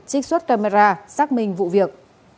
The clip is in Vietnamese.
trích xuất camera xác minh vụ việc